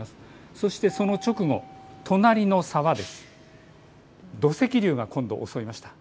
そしてその直後、隣の沢で土石流が襲いました。